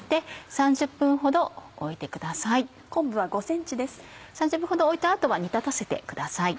３０分ほど置いた後は煮立たせてください。